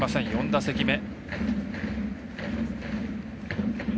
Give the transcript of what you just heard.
４打席目。